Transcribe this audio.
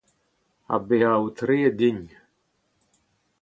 ha bezañ aotreet din